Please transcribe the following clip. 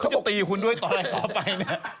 เขาจะตีคุณด้วยต่อไป